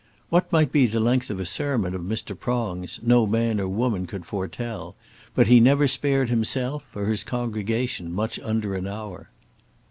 What might be the length of a sermon of Mr. Prong's no man or woman could foretell, but he never spared himself or his congregation much under an hour.